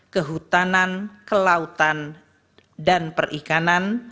kehutanan kelautan dan perikanan